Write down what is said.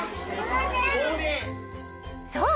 そう！